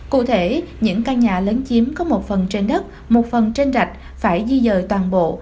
cụ thể những căn nhà lớn chiếm có một phần trên đất một phần trên rạch phải di dời toàn bộ